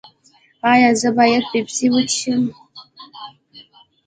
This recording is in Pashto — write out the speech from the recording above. ایا زه باید پیپسي وڅښم؟